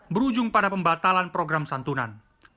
berujung pada pembatalan program santunan